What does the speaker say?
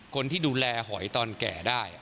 คนที่ดูแลหอยตอนแก่ได้